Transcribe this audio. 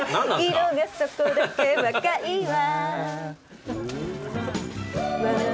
「色がそこだけ若いわ」